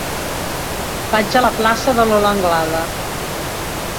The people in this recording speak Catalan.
Vaig a la plaça de Lola Anglada.